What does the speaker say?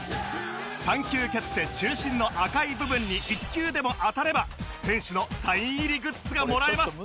３球蹴って中心の赤い部分に１球でも当たれば選手のサイン入りグッズがもらえます